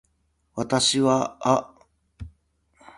私はあ